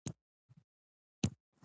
همداسې که مو په خپل ځان باور زیات شو.